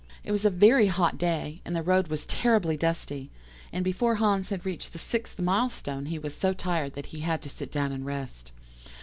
"It was a very hot day, and the road was terribly dusty, and before Hans had reached the sixth milestone he was so tired that he had to sit down and rest.